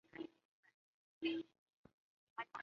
现时通过启用实验性的选项。